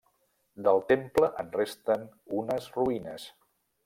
Del temple en resten unes ruïnes.